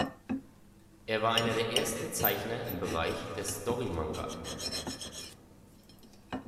Er war einer der ersten Zeichner im Bereich des Story-Manga.